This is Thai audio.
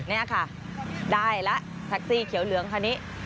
นี่ค่ะได้แล้วแท็กซี่เขียวเหลืองคันนี้